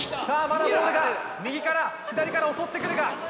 まだボールが右から左から襲ってくるか。